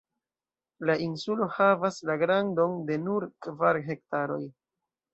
La insulo havas la grandon de nur kvar hektaroj.